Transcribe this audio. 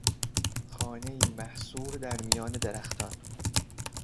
خانهای محصور در میان درختان